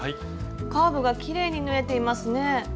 カーブがきれいに縫えていますね。